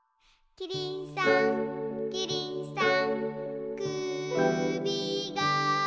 「キリンさんキリンさん」